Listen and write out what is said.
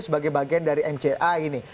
sebagai bagian dari mca ini